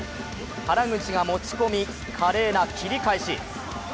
原口が持ち込み華麗な切り返し。